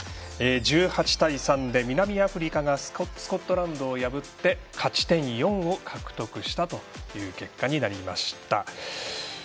１８対３で南アフリカがスコットランドを破って勝ち点４を獲得した結果になりました。